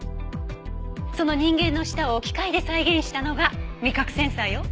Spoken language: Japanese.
その人間の舌を機械で再現したのが味覚センサーよ。